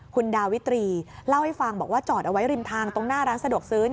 คุณดาวิตรีเล่าให้ฟังบอกว่าจอดเอาไว้ริมทางตรงหน้าร้านสะดวกซื้อ